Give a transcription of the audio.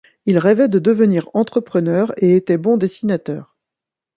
Il rêvait de devenir entrepreneur et était bon dessinateur.